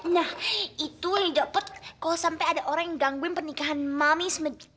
nah itu yang didapat kalau sampai ada orang yang gangguin pernikahan mami sama dadi